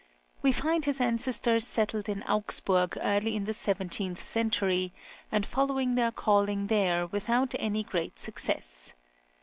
We find his ancestors settled in Augsburg early in the seventeenth century, and following their calling there without any great success.